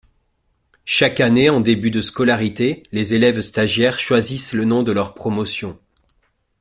Chaque année, en début de scolarité, les élèves-stagiaires choisissent le nom de leur promotion.